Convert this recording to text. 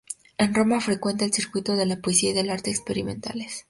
En Roma frecuenta el circuito de la poesía y del arte experimentales.